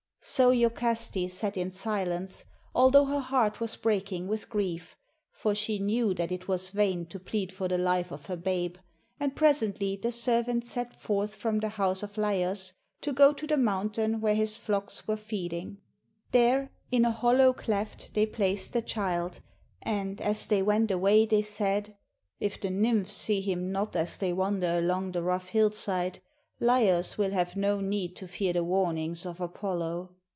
So lokaste sat in silence, although her heart was breaking with grief, for GREECE she knew that it was vain to plead for the Ufe of her babe; and presently the servants set forth from the house of Laios to go to the mountain where his flocks were feeding. There, in a hollow cleft, they placed the child, and, as they went away, they said, "If the n3rmphs see him not as they wander along the rough hillside, Laios will have no need to fear the warnings of Apollo."